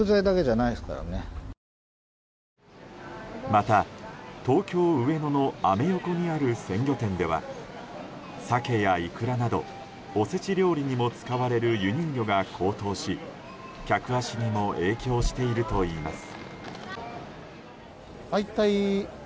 また東京・上野のアメ横にある鮮魚店ではサケやイクラなどおせち料理にも使われる輸入魚が高騰し、客足にも影響しているといいます。